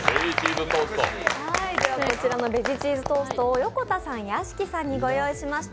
こちらのベジチーズトーストを横田さん、屋敷さんにご用意しました。